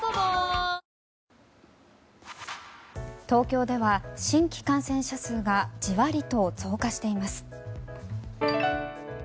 東京では新規感染者数がじわりと増加しています。